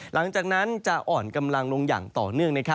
หลังจากนั้นจะอ่อนกำลังลงอย่างต่อเนื่อง